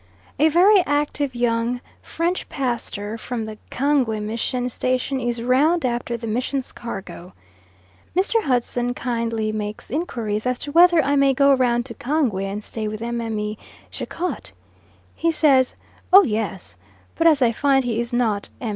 A very active young French pastor from the Kangwe mission station is round after the mission's cargo. Mr. Hudson kindly makes inquiries as to whether I may go round to Kangwe and stay with Mme. Jacot. He says: "Oh, yes," but as I find he is not M.